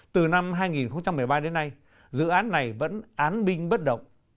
từ năm hai nghìn một mươi ba đến nay dự án này vẫn án binh bất động